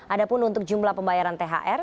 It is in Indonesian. ada pun untuk jumlah pembayaran thr